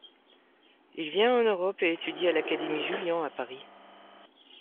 Il vient en Europe et étudie à l'Académie Julian à Paris.